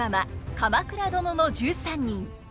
「鎌倉殿の１３人」。